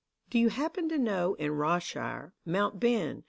Do you happen to know in Ross shire Mount Ben